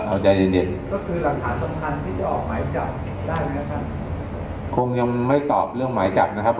เอาใจดีเด็ดก็คือหลักฐานสำคัญที่จะออกหมายจับได้ไหมครับคงยังไม่ตอบเรื่องหมายจับนะครับ